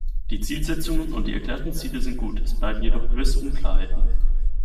Die Zielsetzungen und die erklärten Ziele sind gut, es bleiben jedoch gewisse Unklarheiten.